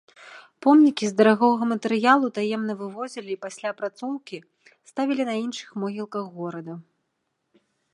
Помнікі з дарагога матэрыялу таемна вывозілі і пасля апрацоўкі ставілі на іншых могілках горада.